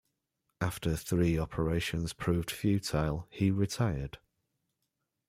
After three operations proved futile, he retired.